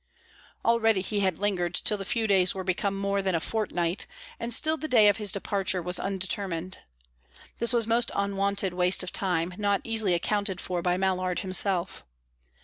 Already he had lingered till the few days were become more than a fortnight, and still the day of his departure was undetermined. This was most unwonted waste of time, not easily accounted for by Mallard himself.